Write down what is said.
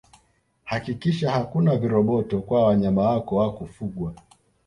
Hakikisha hakuna viroboto kwa wanyama wako wa kufugwaa